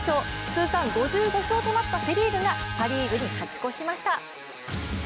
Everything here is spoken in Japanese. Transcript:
通算５５勝となったセ・リーグがパ・リーグに勝ち越しました。